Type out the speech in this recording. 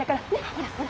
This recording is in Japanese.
ほらほら。